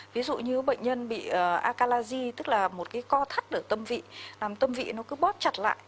ví dụ như bệnh nhân bị akalagi tức là một cái co thắt ở tâm vị làm tâm vị nó cứ bóp chặt lại